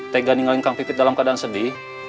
tega ninggalin kang pipit dalam keadaan sedih